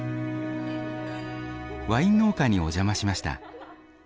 ワイン農家にお邪魔しました。